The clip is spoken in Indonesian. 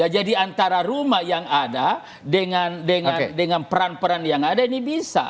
jadi antara rumah yang ada dengan peran peran yang ada ini bisa